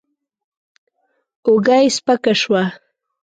اوږه يې سپکه شوه.